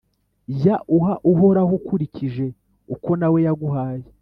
Jya uha Uhoraho ukurikije uko na we yaguhaye,